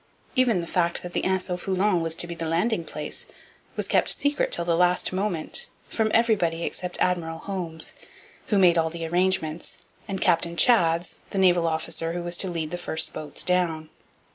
Even the fact that the Anse au Foulon was to be the landing place was kept secret till the last moment from everybody except Admiral Holmes, who made all the arrangements, and Captain Chads, the naval officer who was to lead the first boats down.